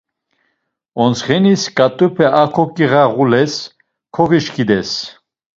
Ontxenis ǩat̆upe a kogiğağules, koǩişǩides.